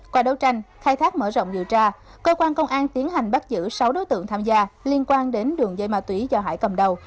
qua đấu tranh khai thác mở rộng điều tra cơ quan công an tiến hành bắt giữ sáu đối tượng tham gia liên quan đến đường dây ma túy do hải cầm đầu